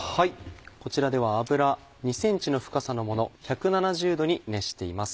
こちらでは油２ｃｍの深さのもの１７０℃に熱しています。